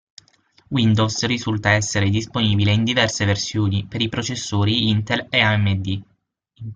Windows risulta essere disponibile in diverse versioni per i processori Intel e AMD.